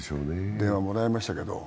電話もらいましたけど。